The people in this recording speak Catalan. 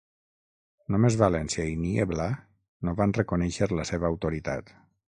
Només València i Niebla no van reconèixer la seva autoritat.